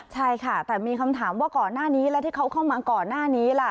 ใช่ค่ะแต่มีคำถามว่าก่อนหน้านี้แล้วที่เขาเข้ามาก่อนหน้านี้ล่ะ